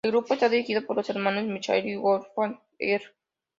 El grupo está dirigido por los hermanos Michael y Wolfgang Herz.